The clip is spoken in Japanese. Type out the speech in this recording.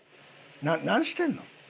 何してんの？